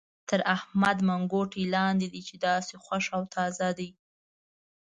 تر احمد منګوټی لاندې دی چې داسې خوښ او تازه دی.